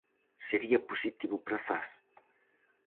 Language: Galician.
Sería positivo para Zas?